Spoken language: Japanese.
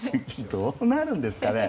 どうなるんですかね。